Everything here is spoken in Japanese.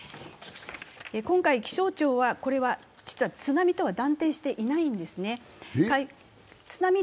今回、気象庁は、これは実は津波とは断定していないんですね。